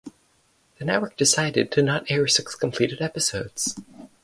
The network decided to not air six completed episodes.